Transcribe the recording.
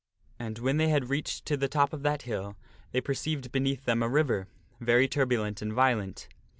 And when they had reached to the top of that hill they perceived beneath them a river, very turbulent and violent.